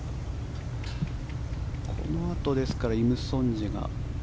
このあとイム・ソンジェが。